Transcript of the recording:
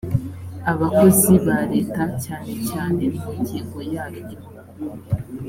abakozi ba leta cyane cyane mu ngingo yaryo